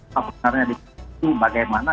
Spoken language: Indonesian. sebenarnya di situ bagaimana